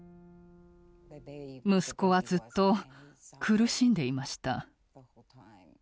息子はずっと苦しんでいました。